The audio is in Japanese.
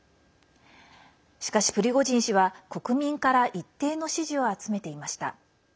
しかし、プリゴジン氏は国民から一定の支持を集めていました。